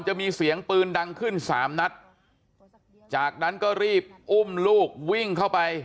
จะมีเสียงปืนดังขึ้นสามนัดจากนั้นก็รีบอุ้มลูกวิ่งเข้าไป